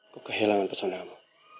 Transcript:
ku kehilangan pesonamu